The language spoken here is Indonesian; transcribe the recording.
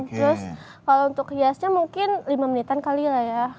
terus kalau untuk hiasnya mungkin lima menitan kali lah ya